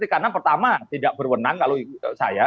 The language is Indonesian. karena pertama tidak berwenang kalau saya